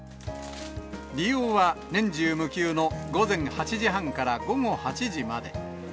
利用は年中無休の午前８時半から午後８時まで。